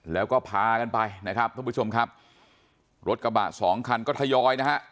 แล้วก็พากันไปนะครับท่านผู้ชมครับรถกระบะสองคันก็ทยอยนะฮะ